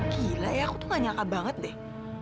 gila ya aku tuh gak nyangka banget deh